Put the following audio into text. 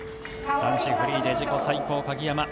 男子フリーで自己最高、鍵山。